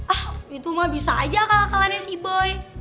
ah itu mah bisa aja kalah kalahnya sih boy